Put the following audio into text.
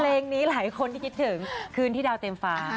เพลงนี้หลายคนที่คิดถึงคืนที่ดาวเต็มฟ้า